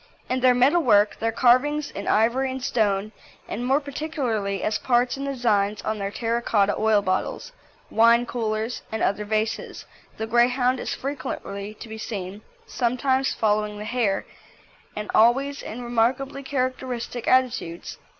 In their metal work, their carvings in ivory and stone, and more particularly as parts in the designs on their terra cotta oil bottles, wine coolers, and other vases, the Greyhound is frequently to be seen, sometimes following the hare, and always in remarkably characteristic attitudes.